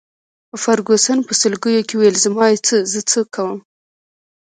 فرګوسن په سلګیو کي وویل: زما يې په څه، زه څه کوم.